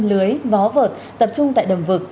lưới vó vợt tập trung tại đầm vực